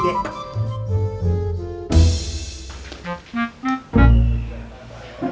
udah tuh kan